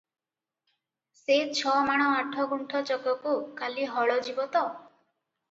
ସେ ଛମାଣ ଆଠଗୁଣ୍ଠ ଚକକୁ କାଲି ହଳ ଯିବ ତ?"